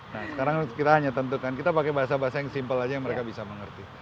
nah sekarang kita hanya tentukan kita pakai bahasa bahasa yang simpel aja yang mereka bisa mengerti